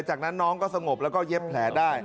จากนั้นน้องก็สงบแล้วก็เย็บแผลได้